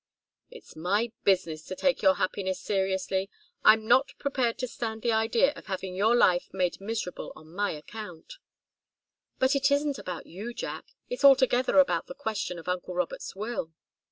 "It's my business to take your happiness seriously. I'm not prepared to stand the idea of having your life made miserable on my account." "But it isn't about you, Jack. It's altogether about the question of uncle Robert's will."